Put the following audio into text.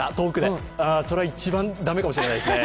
それは一番駄目かもしれないですね。